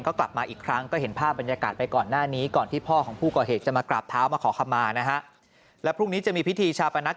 ก็กลับมาอีกครั้งเพราะเห็นภาพบรรยากาศไปก่อนหน้านี้